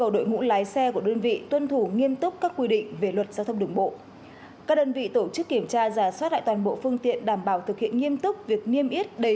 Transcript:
đặc biệt là các vi phạm